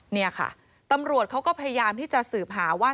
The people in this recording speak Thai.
นี่ค่ะตำรวจเขาก็พยายามที่จะสืบหาว่า